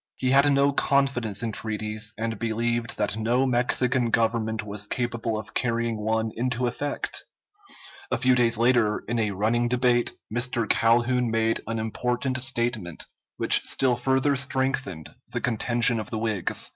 He had no confidence in treaties, and believed that no Mexican government was capable of carrying one into effect. A few days later, in a running debate, Mr. Calhoun made an important statement, which still further strengthened the contention of the Whigs.